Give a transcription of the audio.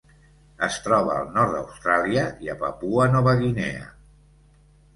Es troba al nord d'Austràlia i a Papua Nova Guinea.